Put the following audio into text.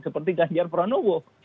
seperti ganjar pranowo